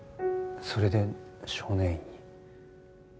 それで少年院に？